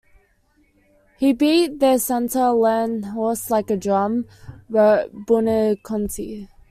"He beat their center Len Hauss like a drum", wrote Buoniconti.